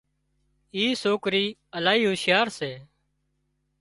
اي سوڪري الاهي هُوشيار سي